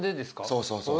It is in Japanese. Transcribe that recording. そうそうそう。